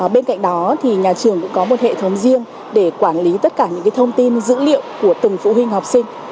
bên cạnh đó nhà trường cũng có một hệ thống riêng để quản lý tất cả những thông tin dữ liệu của từng phụ huynh học sinh